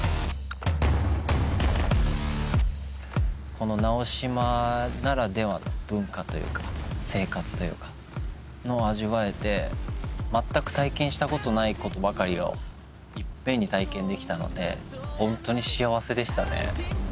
この直島ならではの文化というか生活というかを味わえてまったく体験したことないことばかりを一遍に体験できたのでホントに幸せでしたね。